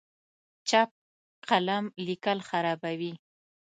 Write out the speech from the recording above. چپ قلم لیکل خرابوي.